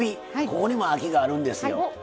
ここにも秋があるんですよ。